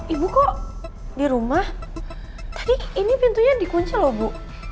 ibu kok di rumah ini pintunya dikunci loh bu